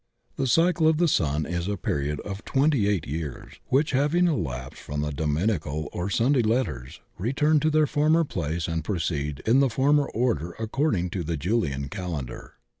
"The cycle of the sun is a period of twenty eight years, which having elapsed the Dommical or Sunday letters return to their former place and proceed in the former order according to the JuUan calendar."